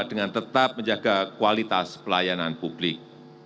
dengan tetap menjaga kualitas pelayanan publik